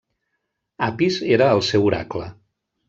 Apis era el seu oracle.